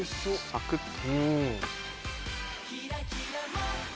サクっと。